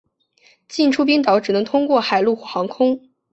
进出冰岛只能通过海路或航空。